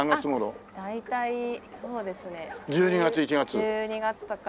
１２月とか。